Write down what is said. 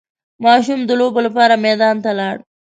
ماشوم د لوبو لپاره میدان ته لاړ.